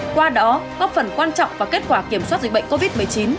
qua đó góp phần quan trọng vào kết quả kiểm soát dịch bệnh covid một mươi chín